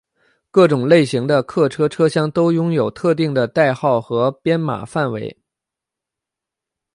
各种类型的客车车厢都拥有特定的代号和编码范围。